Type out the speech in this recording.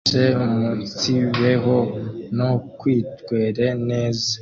befeshe umunsibeho no kwitwere neze